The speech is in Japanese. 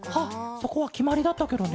そこはきまりだったケロね。